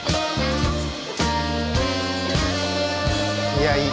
いやいい。